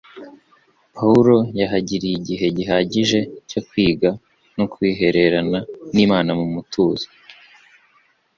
Pawulo yahagiriye igihe gihagije cyo kwiga no kwihererana n’Imana mu mutuzo.